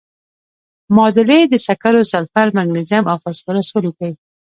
معادلې د سکرو، سلفر، مګنیزیم او فاسفورس ولیکئ.